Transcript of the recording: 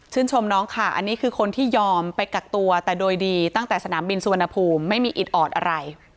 น้องค่ะอันนี้คือคนที่ยอมไปกักตัวแต่โดยดีตั้งแต่สนามบินสุวรรณภูมิไม่มีอิดออดอะไร